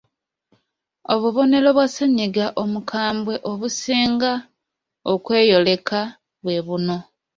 Obubonero bwa ssennyiga omukambwe obusinga okweyoleka bwe buno: